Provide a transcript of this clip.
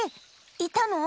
いたの？